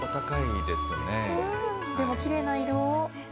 でも、きれいな色。